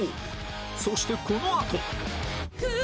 そしてこのあと